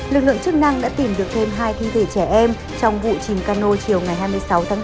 lực lượng chức năng đã tìm được thêm hai thi thể trẻ em trong vụ chìm cano chiều ngày hai mươi sáu tháng bốn